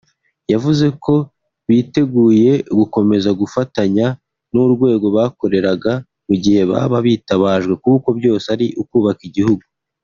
yavuze ko biteguye gukomeza gufatanya n’urwego bakoreraga mu gihe baba bitabajwe kuko byose ari ukubaka igihugu